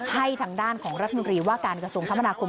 ทางด้านของรัฐมนตรีว่าการกระทรวงคมนาคม